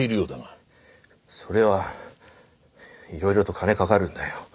それはいろいろと金かかるんだよ。